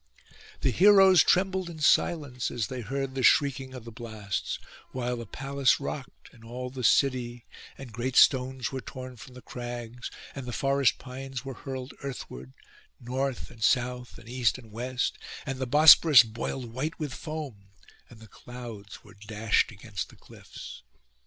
The heroes trembled in silence as they heard the shrieking of the blasts; while the palace rocked and all the city, and great stones were torn from the crags, and the forest pines were hurled earthward, north and south and east and west, and the Bosphorus boiled white with foam, and the clouds were dashed against the cliffs.